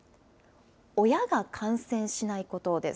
親が感染しないことです。